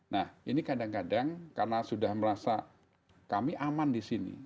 nah ini kadang kadang karena sudah merasa kami aman di sini